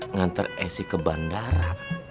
ngantar esi ke bandara